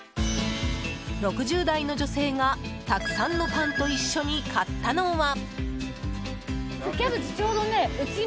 ６０代の女性がたくさんのパンと一緒に買ったのは。